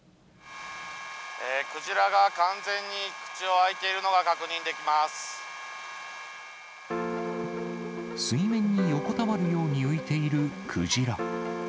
クジラが完全に口を開いてい水面に横たわるように浮いているクジラ。